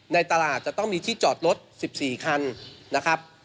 ในตลาดจะต้องมีที่จอดรถ๑๔คันนะครับ